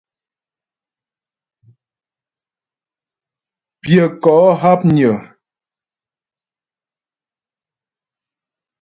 Pyə̂ kó hápnyə́.